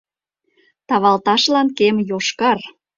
Тавалташлан кем — йошкар.